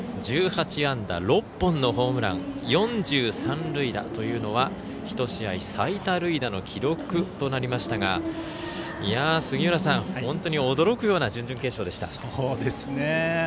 １８安打６本のホームラン４３塁打というのは１試合最多塁打の記録となりましたが本当に驚くような準々決勝でした。